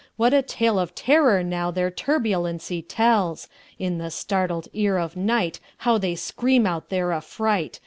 What a tale of terror, now, their turbulency tells! In the startled ear of nightHow they scream out their affright!